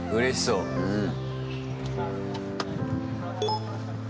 うん。